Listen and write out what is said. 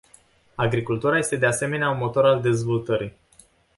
Agricultura este de asemenea un motor al dezvoltării.